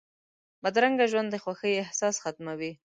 بدرنګه ژوند د خوښۍ احساس ختموي